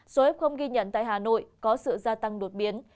số f ghi nhận tại hà nội có sự gia tăng đột biến